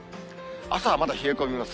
朝はまだ冷え込みます。